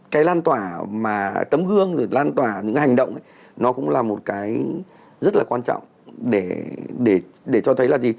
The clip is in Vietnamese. cái lan tỏa mà tấm gương rồi lan tỏa những cái hành động ấy nó cũng là một cái rất là quan trọng để cho thấy là gì